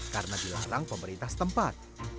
karena dilarang pemerintah setempat